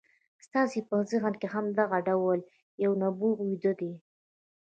ستاسې په ذهن کې هم دغه ډول يو نبوغ ويده دی.